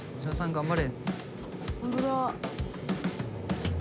頑張れ！